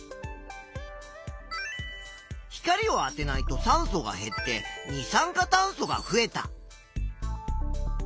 光をあてないと酸素が減って二酸化炭素が増えた。